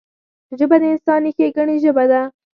ژبه د انساني ښیګڼې ژبه ده